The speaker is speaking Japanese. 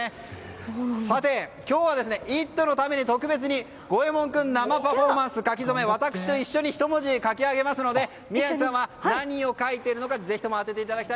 さて今日は「イット！」のために特別にゴエモン君の生パフォーマンス、書き初め私と一緒にひと文字書き上げますので宮司さんは何を書いているのかぜひとも当ててください。